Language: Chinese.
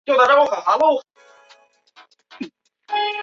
另一方面另行谋职